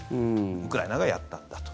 ウクライナがやったんだと。